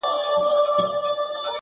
• ستا دردونه دي نیمی و ماته راسي..